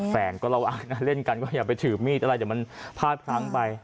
แฟนก็เล่นกันก็อย่าไปถือมีดอะไรเดี๋ยวมันพลาดครั้งไปนะครับ